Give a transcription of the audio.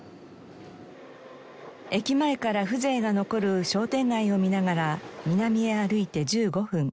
駅前から風情が残る商店街を見ながら南へ歩いて１５分。